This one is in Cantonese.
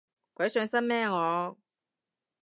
鬼上身咩我